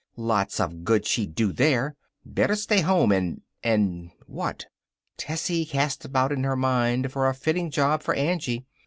Lots of good she'd do there. Better stay home and and what? Tessie cast about in her mind for a fitting job for Angie.